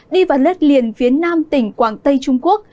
đi vào đất liền phía nam tỉnh quảng tây trung quốc